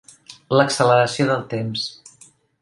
L'acceleració del temps.